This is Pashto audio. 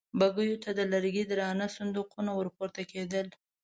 بګيو ته د لرګي درانه صندوقونه ور پورته کېدل.